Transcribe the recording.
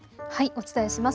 お伝えします。